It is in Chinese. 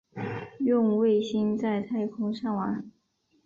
用卫星在太空上网